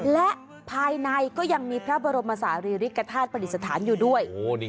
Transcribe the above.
และภายในก็ยังมีพระบรมสารีเหล็กธาตุผลิตสถานอยู่ด้วย